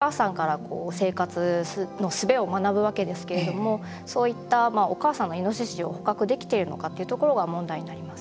それから子どものイノシシというのはお母さんから生活のすべを学ぶわけですけれどもそういったお母さんのイノシシを捕獲できているのかというところが問題になります。